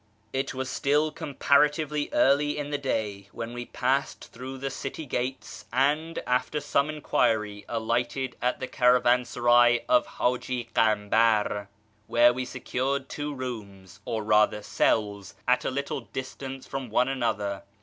It was still comparatively early in the day when we passed through the city gates, and, after some enquiry, alighted at the caravansaray of Haji Kambar, where we secured two rooms, or rather cells, at a little distance from one another.